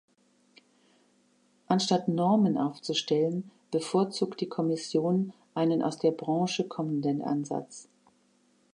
Anstatt Normen aufzustellen, bevorzugt die Kommission einen aus der Branche kommenden Ansatz.